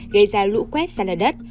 gây ra lũ quét ra là đất